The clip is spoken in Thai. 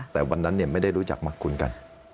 แต่วันนั้นเนี่ยไม่ได้รู้จักมากคุณกัน